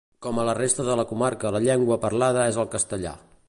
Com a la resta de la comarca la llengua parlada és el castellà.